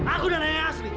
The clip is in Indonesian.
aku danang yang asli